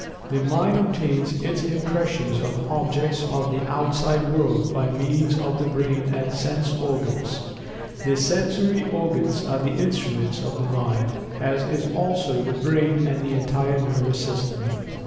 The Mind obtains its impressions of objects of the outside world by means of the brain and sense organs. The sensory organs are the instruments of the Mind, as is also the brain and the entire nervous system.